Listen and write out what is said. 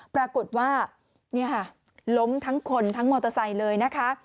ปรากฏว่าล้มทั้งคนทั้งมอเตอร์ไซค์เลยนะคะ